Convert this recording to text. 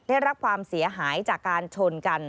ได้รับความเสียหายจากการชนกัน